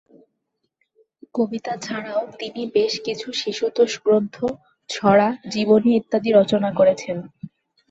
কবিতা ছাড়াও তিনি বেশ কিছু শিশুতোষ গ্রন্থ, ছড়া, জীবনী ইত্যাদি রচনা করেছেন।